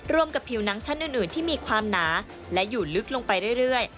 กับผิวหนังชั้นอื่นที่มีความหนาและอยู่ลึกลงไปเรื่อย